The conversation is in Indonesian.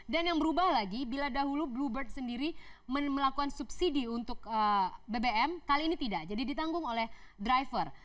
dan yang berubah lagi bila dahulu bluebird sendiri melakukan subsidi untuk bbm kali ini tidak jadi ditanggung oleh driver